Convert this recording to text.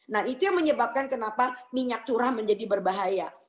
nah itu yang menyebabkan kenapa minyak curah menjadi berbahaya